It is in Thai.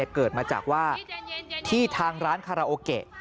เกิดมาจากว่าที่ทางร้านคาราโอเกะ